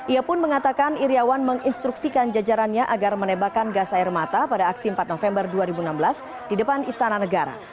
ia pun mengatakan iryawan menginstruksikan jajarannya agar menebakkan gas air mata pada aksi empat november dua ribu enam belas di depan istana negara